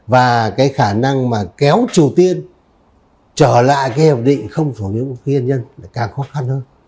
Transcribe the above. và cái khả năng mà kéo triều tiên trở lại cái hiệp định không phổng quân vũ khí hành nhân là càng khó khăn hơn